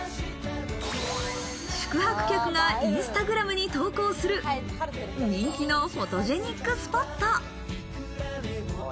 宿泊客がインスタグラムに投稿する人気のフォトジェニックスポット。